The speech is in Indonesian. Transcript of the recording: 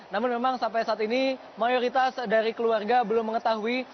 namun memang sampai saat ini mayoritas dari keluarga belum mengetahui